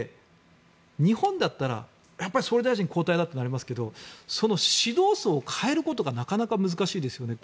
日本だったら総理大臣交代だってなりますがその指導層を代えることがなかなか難しいですよねと。